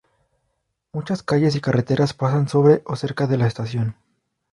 Muchas calles y carreteras pasan sobre o cerca de la estación.